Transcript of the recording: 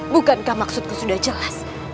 bukankah maksudku sudah jelas